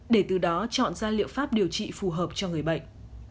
để từ đó chọn ra liệu pháp điều trị phù hợp cho người bệnh